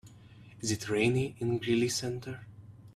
Is it rainy in Greely Center?